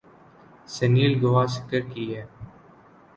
سنیل گواسکر کی یہ